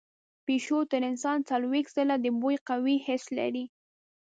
پیشو تر انسان څلوېښت ځله د بوی قوي حس لري.